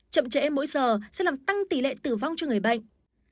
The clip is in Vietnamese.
chậm trễ mỗi giờ sẽ làm tăng tỷ lệ tử vong cho người bệnh